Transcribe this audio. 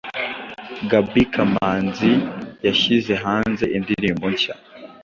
Gaby Kamanzi yashyize hanze indirimbo nshya